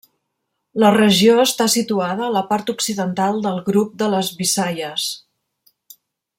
La regió està situada a la part occidental del grup de les Visayas.